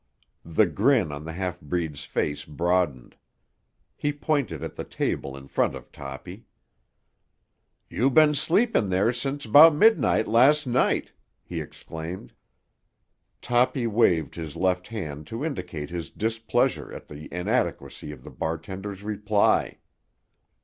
The grin on the half breed's face broadened. He pointed at the table in front of Toppy. "You been sleeping there since 'bout midnight las' night," he exclaimed. Toppy waved his left hand to indicate his displeasure at the inadequacy of the bartender's reply.